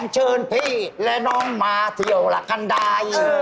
เชิญพี่และน้องมาเที่ยวละคันใด